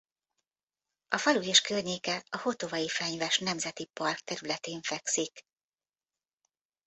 A falu és környéke a Hotovai-fenyves Nemzeti Park területén fekszik.